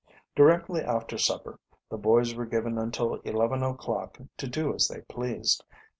Directly after supper the boys were given until eleven o'clock to do as they pleased.